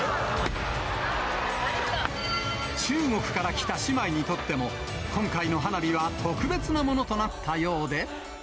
中国から来た姉妹にとっても、今回の花火は特別なものとなったようで。